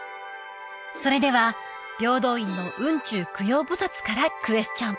それでは平等院の雲中供養菩薩からクエスチョン